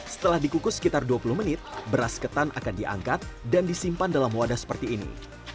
setelah dikukus sekitar dua puluh menit beras ketan akan diangkat dan disimpan dalam wadah seperti ini